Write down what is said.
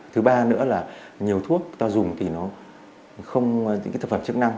thứ ba nữa là nhiều thuốc ta dùng thì nó không những cái thực phẩm chức năng